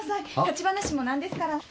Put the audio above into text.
立ち話も何ですから。